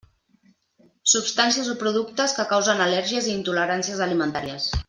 Substàncies o productes que causen al·lèrgies i intoleràncies alimentàries.